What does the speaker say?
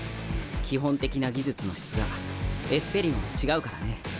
基本的な技術の質がエスペリオンは違うからね。